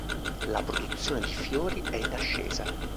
La produzione di fiori è in ascesa.